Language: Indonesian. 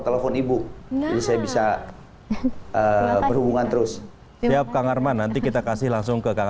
telepon ibu ini saya bisa berhubungan terus siap kang arman nanti kita kasih langsung ke kang